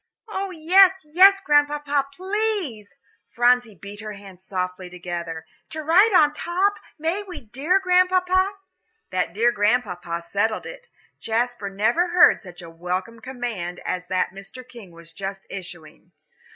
"Oh, yes, yes, Grandpapa, please" Phronsie beat her hands softly together "to ride on top; may we, dear Grandpapa?" That "dear Grandpapa" settled it. Jasper never heard such a welcome command as that Mr. King was just issuing.